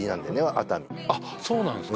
熱海あっそうなんですか？